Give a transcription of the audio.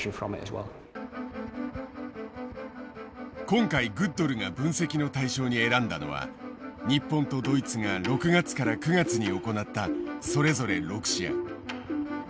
今回グッドルが分析の対象に選んだのは日本とドイツが６月から９月に行ったそれぞれ６試合。